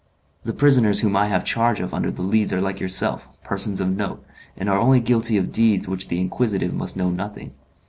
The prisoners whom I have charge of under the Leads are like yourself, persons of note, and are only guilty of deeds of which the inquisitive must know nothing.